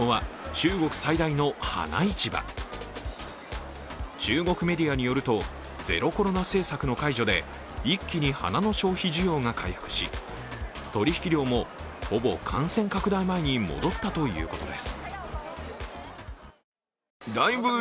中国メディアによると、ゼロコロナ政策の解除で一気に花の消費需要が回復し取引量もほぼ感染拡大前に戻ったということです。